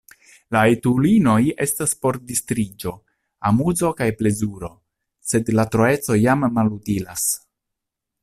La etulinoj estas por distriĝo, amuzo kaj plezuro, sed la troeco jam malutilas!